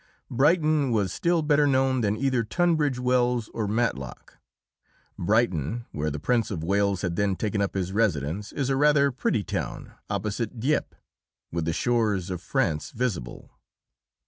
Brighton was still better known than either Tunbridge Wells or Matlock. Brighton, where the Prince of Wales had then taken up his residence, is a rather pretty town opposite Dieppe, with the shores of France visible.